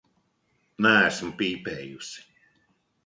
Neesmu pīpējusi.